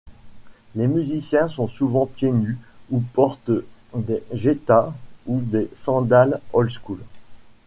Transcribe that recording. Les musiciens sont souvent pied-nus ou portent des geta ou des sandales old-school.